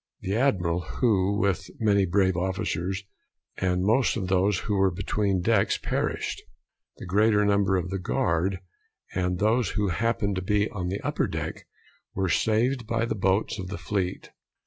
The Admiral, with many brave officers and most of those who were between decks, perished; the greater number of the guard, and those who happened to be on the upper deck, were saved by the boats of the fleet.